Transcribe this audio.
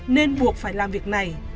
nên buộc phải làm việc này